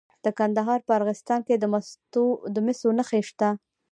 د کندهار په ارغستان کې د مسو نښې شته.